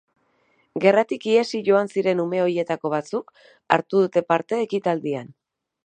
Gerratik ihesi joan ziren ume horietako batzuk hartu dute parte ekitaldian.